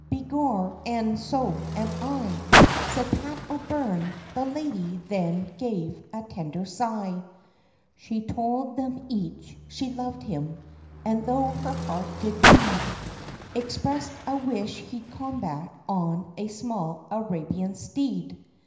"Begor, an' so am I," Said Pat O'Byrne. The lady, then gave a tender sigh, She told them each, she loved him, and though her heart did bleed, Expressed a wish, he'd combat on a small Arabian steed.